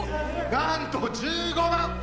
なんと１５万！